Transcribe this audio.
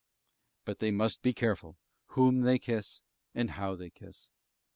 But they must be careful whom they kiss and how they kiss.